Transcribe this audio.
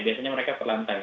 biasanya mereka ke lantai